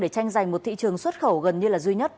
để tranh giành một thị trường xuất khẩu gần như là duy nhất